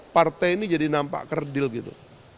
partai ini jadi nampak kerdil gitu